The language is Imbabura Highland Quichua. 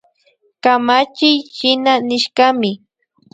Kamachiy shina nishkami